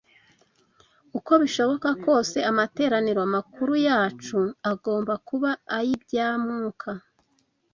Uko bishoboka kose, amateraniro makuru yacu agomba kuba ay’ibya Mwuka